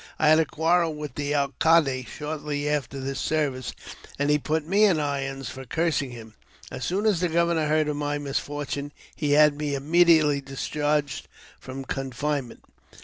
I had a quarrel with the alcalde shortly after this service, and he put me in JAMES P .BECKWOUBTH. 391 irons for cursing him. As soon as the governor heard of my misfortune, he had me immediately discharged from confine ment.